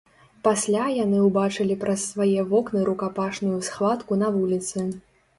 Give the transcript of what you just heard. Пасля яны ўбачылі праз свае вокны рукапашную схватку на вуліцы.